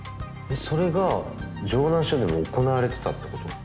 それが城南署でも行われてたって事？